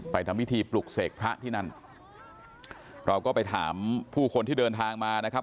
ทำพิธีปลุกเสกพระที่นั่นเราก็ไปถามผู้คนที่เดินทางมานะครับ